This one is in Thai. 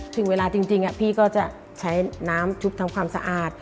ถึงเวลาจริงพี่ก็จะใช้น้ำชุบทำความสะอาด